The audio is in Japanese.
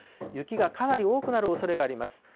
雪がかなり多くなるおそれがあります。